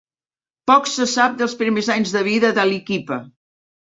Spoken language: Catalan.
Poc se sap dels primers anys de vida d'Aliquippa.